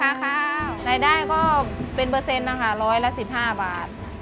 รายได้ก็เป็นเปอร์เซ็นต์นะคะร้อยละ๑๕บาท